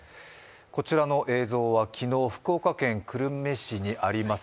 こちらの映像は昨日、福岡県久留米市にあります